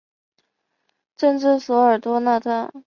镇治索尔多特纳。